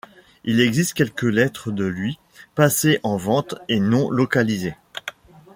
Il existe quelques lettres de lui, passées en vente et non localisées.